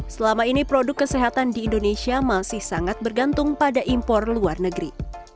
selama ini produk kesehatan di indonesia masih sangat bergantung pada impor luar negeri